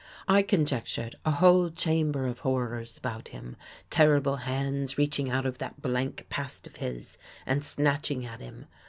I conjectured a whole chamber of horrors about him, terrible hands reaching out of that blank past of his and snatching at him.